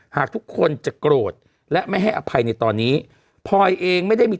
หากทุกคนจะโกรธและไม่ให้อภัยในตอนนี้พลอยเองไม่ได้มี